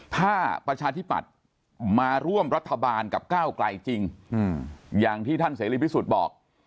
ถ้าประชาธิปัตย์มาร่วมรัฐบาลกับก้าวไกลจริงอย่างที่ท่านเสรีพิสุทธิ์บอก